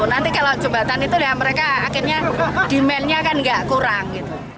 nanti kalau jembatan itu mereka akhirnya demandnya akan tidak kurang